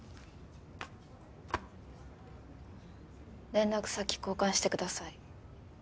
連絡先交換してください。